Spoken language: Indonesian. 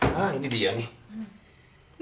nah ini dia nih